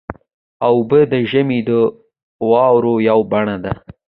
اوبه د ژمي د واورې یوه بڼه ده.